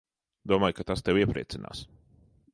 Domāju, ka tas tevi iepriecinās.